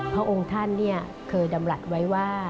พระองค์ท่านเคยดำรัฐไว้ว่า